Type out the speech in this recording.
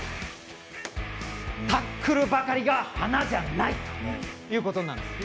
タックルばかりが華じゃないということなんです。